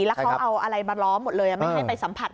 แล้วเขาเอาอะไรมาล้อมหมดเลยไม่ให้ไปสัมผัส